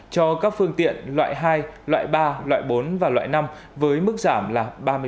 cho các phương tiện loại hai loại ba loại bốn và loại năm với mức giảm là ba mươi